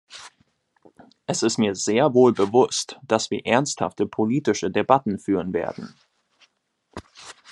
Es ist mir sehr wohl bewusst, dass wir ernsthafte politische Debatten führen werden.